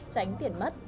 tránh tiền mất